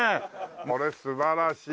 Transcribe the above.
これ素晴らしい。